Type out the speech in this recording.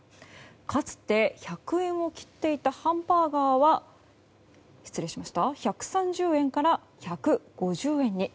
かつて１００円を切っていたハンバーガーは１３０円から１５０円に。